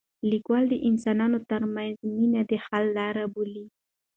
لیکوال د انسانانو ترمنځ مینه د حل لاره بولي.